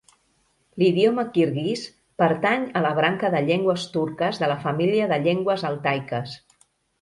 L'idioma kirguís pertany a la branca de llengües turques de la família de llengües altaiques.